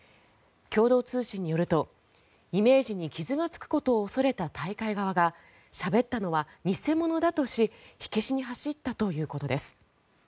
共同通信によるとイメージに傷がつくことを恐れた大会側がしゃべったのは偽物だとし火消しに走ったということです。